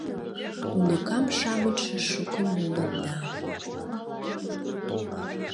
Уныкам-шамычше шукын улыт да...